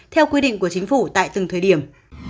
theo quy định của chính phủ tại từng thời điểm